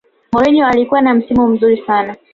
mourinho alikuwa na msimu mzuri sana